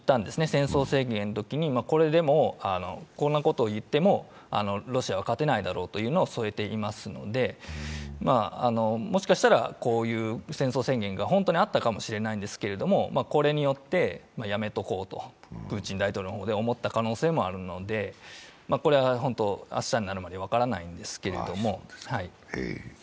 戦争宣言のときに、こんなことを言ってもロシアは勝てないだろうと添えていますので、もしかしたら、こうした戦争宣言があったかもしれないですけど、これによってやめておこうと、プーチン大統領の方で思った可能性もあるので、明日になるまで分からないんですけど。